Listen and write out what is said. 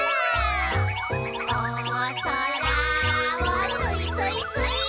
「おそらをすいすいすいー」